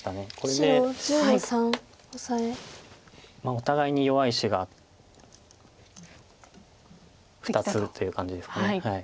お互いに弱い石が２つという感じですか。